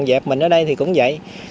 còn dẹp mình ở đây thì cũng vậy